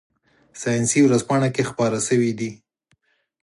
ساینسي ورځپاڼه کې خپاره شوي دي.